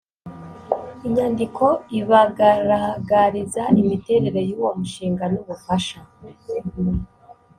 inyandiko ibagaragariza imiterere y uwo mushinga n ubufasha